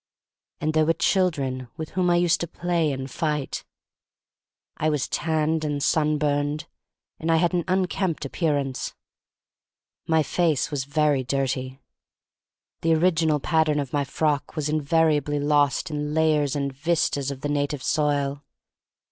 And there were children with whom I used to play and fight. I was tanned and sunburned, and I had an unkempt appearance. My face was very dirty. The original pattern of my frock was invariably lost in lay ers and vistas of the native soil.